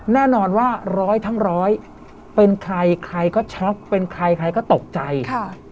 แน่นอนว่าร้อยทั้งร้อยเป็นใครใครก็ช็อกเป็นใครใครก็ตกใจค่ะ